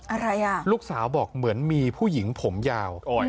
อะไรอ่ะลูกสาวบอกเหมือนมีผู้หญิงผมยาว